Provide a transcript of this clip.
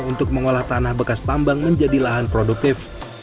untuk mengolah tanah bekas tambang menjadi lahan produktif